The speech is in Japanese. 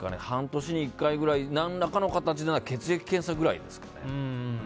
半年に１回くらい、何らかの形で血液検査くらいですかね。